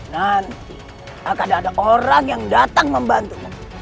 nanti akan ada orang yang datang membantumu